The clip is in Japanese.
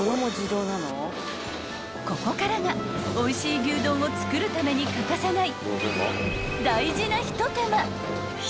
［ここからがおいしい牛丼を作るために欠かせない］